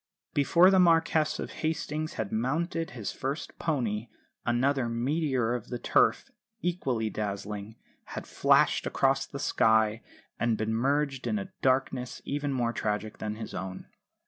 Before the Marquess of Hastings had mounted his first pony another meteor of the Turf, equally dazzling, had flashed across the sky, and been merged in a darkness even more tragic than his own.